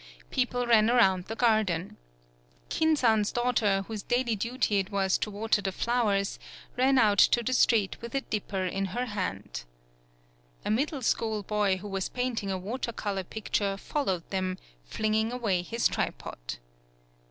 People ran around the garden. Kin san's daughter, whose daily duty it was to water the flowers, ran out to the street with a dipper in her hand. A middle school boy, who was painting a water color picture, followed them, flinging away his tripod.